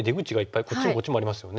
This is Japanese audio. こっちもこっちもありますよね。